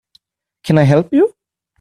Can I help you?